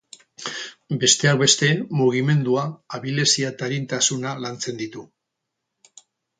Besteak beste mugimendua, abilezia eta arintasuna lantzen ditu.